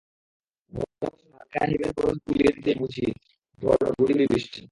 ভরা বসন্তে হালকা হিমের পরশ বুলিয়ে দিতেই বুঝি ঝরল গুঁড়ি গুঁড়ি বৃষ্টি।